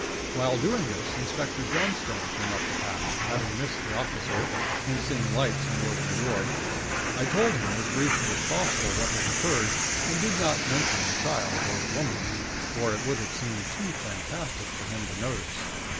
While doing this, Inspector Johnstone came up the path, having missed the officer, and seeing lights and the open door. I told him as briefly as possible what had occurred, and did not mention the Child or the Woman; for it would have seem too fantastic for him to notice.